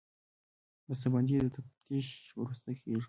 بسته بندي د تفتیش وروسته کېږي.